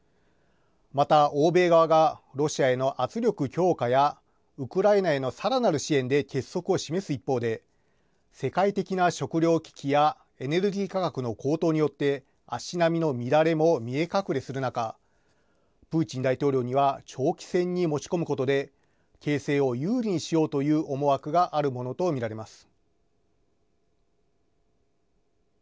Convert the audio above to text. また欧米側が、ロシアへの圧力強化や、ウクライナへのさらなる支援で結束を示す一方で、世界的な食料危機やエネルギー価格の高騰によって足並みの乱れも見え隠れする中、プーチン大統領には長期戦に持ち込むことで、形勢を有利にしようという思惑があるものと見られます。